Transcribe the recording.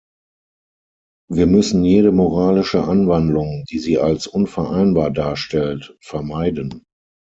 Wir müssen jede moralische Anwandlung, die sie als unvereinbar darstellt, vermeiden.